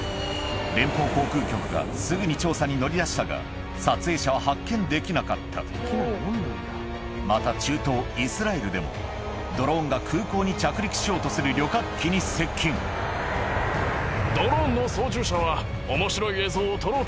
連邦航空局がすぐに調査に乗り出したが撮影者は発見できなかったまた中東イスラエルでもドローンが空港に着陸しようとする旅客機に接近でも。